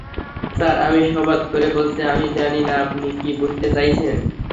Sir, আমি শপথ করে বলছি, আমি জানি না আপনি কী বুঝাতে চাইছেন।